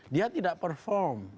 dia tidak perform